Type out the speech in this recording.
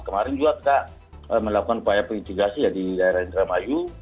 kemarin juga kita melakukan upaya perintigasi di daerah yang terbayu